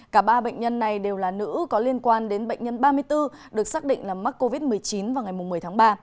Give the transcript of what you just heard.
cả ba bệnh nhân này đều là nữ có liên quan đến bệnh nhân ba mươi bốn được xác định là mắc covid một mươi chín vào ngày một mươi tháng ba